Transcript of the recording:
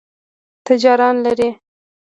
تاجران لري.